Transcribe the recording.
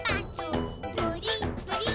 「プリップリッ」